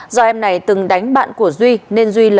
do em này từng đánh bạn của duy nên duy